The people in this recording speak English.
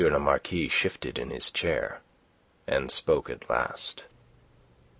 le Marquis shifted in his chair, and spoke at last.